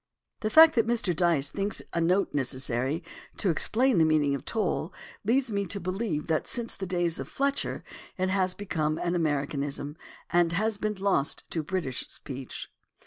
The fact that Mr. Dyce thinks a note necessary to explain the meaning of "tole" leads me to believe that since the days of Fletcher it has become an American ism, and has been lost to British speech.